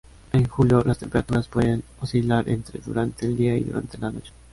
En julio, las temperaturas pueden oscilar entre durante el día y durante la noche.